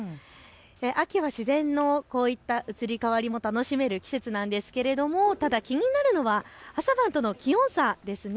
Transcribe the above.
秋は自然の移り変わりも楽しめる季節なんですが、ただ気になるのは朝晩との気温差です。